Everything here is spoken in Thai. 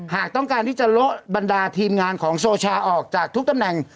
หากต้องการที่จะโละบรรดาทีมงานของโซชาออกจากทุกตำแหน่ง